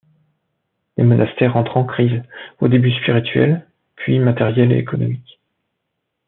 Les monastères entrent en crise, au début spirituelle, puis matérielle et économique.